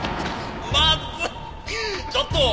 ちょっと！